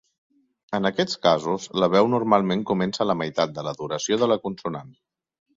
En aquests casos, la veu normalment comença a la meitat de la duració de la consonant.